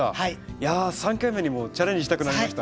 いや３回目にもチャレンジしたくなりました。